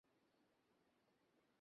স্বপ্ন দেখলাম না কি?